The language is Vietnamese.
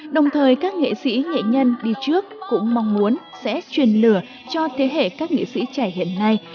đồng thời các nghệ sĩ nghệ nhân đi trước cũng mong muốn sẽ truyền lửa cho thế hệ các nghệ sĩ trẻ hiện nay